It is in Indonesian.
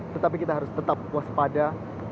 tetapi kita harus tetap waspada